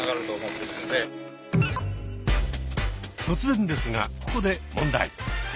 突然ですがここで問題。